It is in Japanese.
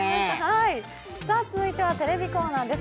続いてはテレビコーナーです。